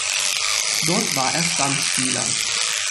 Dort war er Stammspieler.